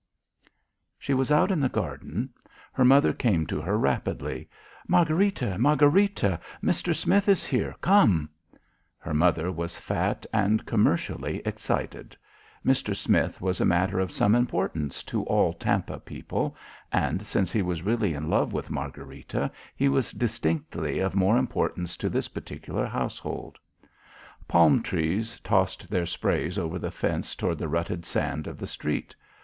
She was out in the garden. Her mother came to her rapidly. "Margharita! Margharita, Mister Smith is here! Come!" Her mother was fat and commercially excited. Mister Smith was a matter of some importance to all Tampa people, and since he was really in love with Margharita he was distinctly of more importance to this particular household. Palm trees tossed their sprays over the fence toward the rutted sand of the street.